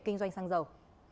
kinh doanh xăng dầu